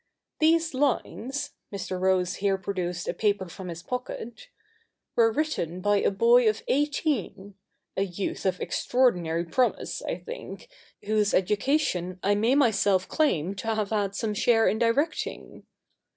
These lines '— Mr. Rose here produced a paper from his pocket —' were written by a boy of eighteen — a youth of extraordinary promise, I think, w^hose education I may myself claim to have had some share in directing.